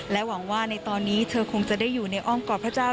หวังว่าในตอนนี้เธอคงจะได้อยู่ในอ้อมกอดพระเจ้า